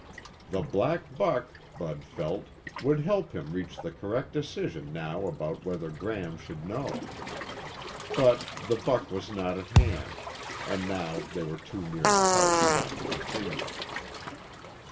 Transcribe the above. The black buck, Bud felt, would help him reach the correct decision now about whether Gram should know. But the buck was not at hand, and now they were too near the house not to continue.